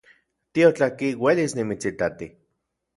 Tiotlatki uelis nimitsitati